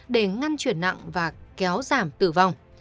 để ngăn chuyển nặng và kéo giảm tử vong